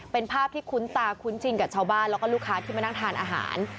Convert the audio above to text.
เป็นภาพที่คุ้นตาคุ้นชินกับชาวบ้านแล้วก็ลูกค้าที่มานั่งทานอาหาร